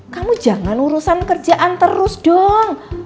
kamu jangan urusan kerjaan terus dong